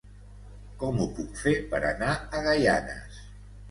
Com ho puc fer per anar a Gaianes?